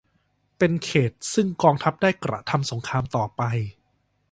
เป็นเขตต์ซึ่งกองทัพได้กระทำสงครามต่อไป